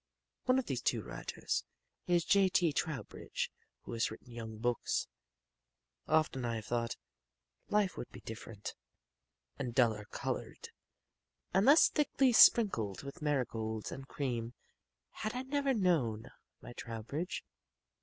One of these two writers is J. T. Trowbridge who has written young books. Often I have thought, Life would be different, and duller colored, and less thickly sprinkled with marigolds and cream, had I never known my Trowbridge.